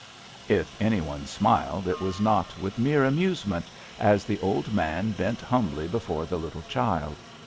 If anyone smiled, it was not with mere amusement, as the old man bent humbly before the little child.